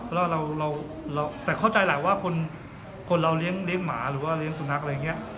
แล้วเราแต่เข้าใจแหละว่าคนเราเลี้ยงหมาหรือว่าเลี้ยงสุนัขอะไรอย่างนี้